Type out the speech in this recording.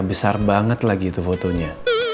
besar banget lagi itu fotonya